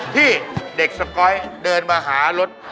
ที่เด็กสก๊อยเดินมาหารถ